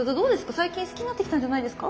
最近好きになってきたんじゃないですか？